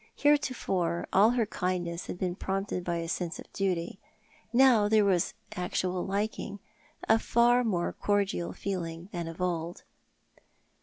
Heretofore all her kindnesses had been prompted by the sense of duty. Now there was actual liking — a far more cordial feeling than of old.